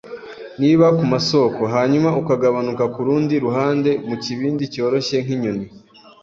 niba ku masoko, hanyuma ukagabanuka kurundi ruhande mukibindi cyoroshye nkinyoni.